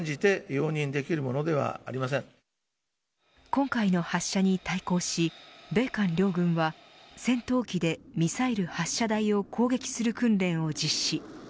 今回の発射に対抗し米韓両軍は、戦闘機でミサイル発射台を攻撃する訓練を実施。